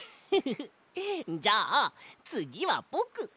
じゃあつぎはぼく。